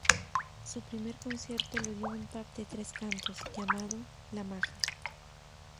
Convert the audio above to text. Su primer concierto lo dio en un pub de Tres Cantos llamado 'La Maja'.